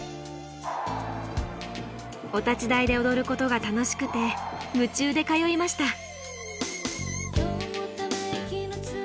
お立ち台で踊ることが楽しくて夢中で通いました。